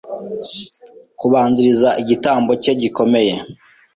kubanziriza igitambo cye gikomeye